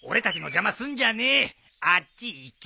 あっち行け。